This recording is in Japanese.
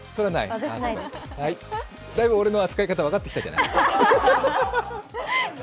だいぶ俺の扱い方分かってきたじゃない。